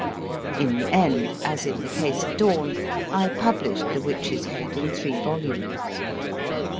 In the end, as in the case of Dawn, I published * The Witch s Head in three volumes.